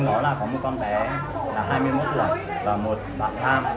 bây giờ hiện tại thì ở trong nhà là hình như buôn hóa chất hay sao buôn bán hóa chất